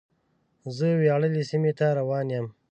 زه وياړلې سیمې ته روان یم.